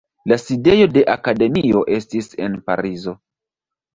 La sidejo de akademio estis en Parizo.